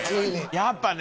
やっぱね。